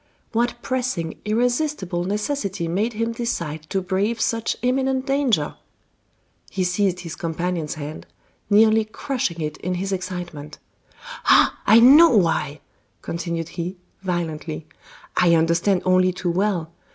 What pressing, irresistible necessity made him decide to brave such imminent danger?" He seized his companion's hand, nearly crushing it in his excitement: "Ah! I know why!" continued he, violently. "I understand only too well.